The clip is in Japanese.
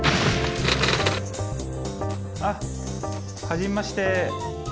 あっはじめまして。